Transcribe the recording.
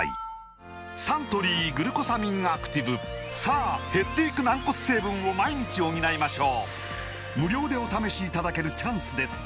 サントリー「グルコサミンアクティブ」さあ減っていく軟骨成分を毎日補いましょう無料でお試しいただけるチャンスです